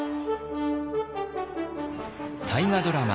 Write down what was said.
大河ドラマ